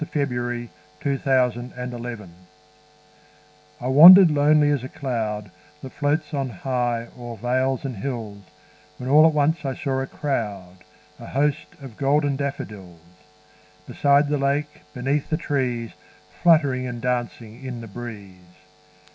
William Wordsworth I Wandered Lonely As a Cloud I WANDERED lonely as a cloud That floats on high o'er vales and hills, When all at once I saw a crowd, A host, of golden daffodils; Beside the lake, beneath the trees, Fluttering and dancing in the breeze.